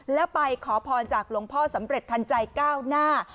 แล้วไปขอพรจากหลวงพ่อสำเร็จทันใจก้าวหน้า